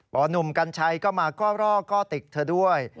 เพราะหนุ่มกัญชัยก็มาก็ลอกก็ติกเธอด้วย